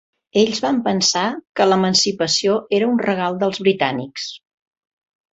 Ells van pensar que l'emancipació era un regal dels britànics.